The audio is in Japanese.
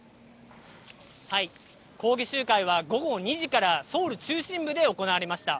抗議集会は午後２時から、ソウル中心部で行われました。